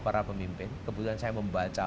para pemimpin kebetulan saya membaca